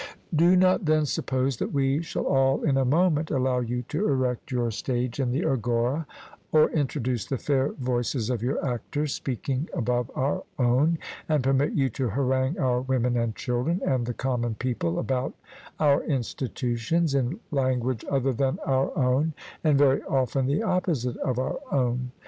Do not then suppose that we shall all in a moment allow you to erect your stage in the agora, or introduce the fair voices of your actors, speaking above our own, and permit you to harangue our women and children, and the common people, about our institutions, in language other than our own, and very often the opposite of our own.